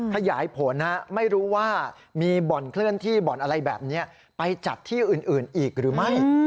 ขยายผลไม่รู้ว่ามีบ่อนเคลื่อนที่บ่อนอะไรแบบนี้ไปจัดที่อื่นอีกหรือไม่